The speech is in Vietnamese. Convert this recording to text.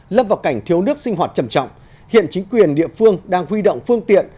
lâm vào cảnh thiếu nước sinh hoạt trầm trọng hiện chính quyền địa phương đang huy động phương tiện